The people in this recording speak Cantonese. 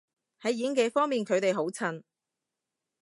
喺演技方面佢哋好襯